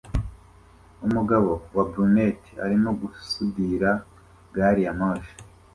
Umugabo wa brunette arimo gusudira gari ya moshi